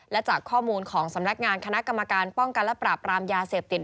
และจากข้อมูลของสำนักงานคณะกรรมการป้องกันและปราบรามยาเสพติด